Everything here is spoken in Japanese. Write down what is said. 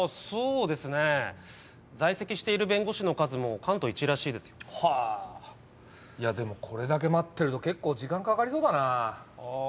そうですね在籍してる弁護士の数も関東一位らしいですよはあいやでもこれだけ待ってると結構時間かかりそうだなああ